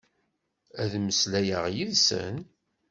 Ad mmeslayeɣ yid-sen?